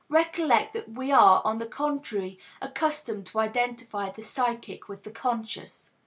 Recollect that we are, on the contrary, accustomed to identify the psychic with the conscious.